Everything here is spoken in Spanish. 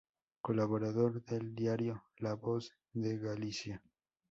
Colaborador del diario La Voz de Galicia.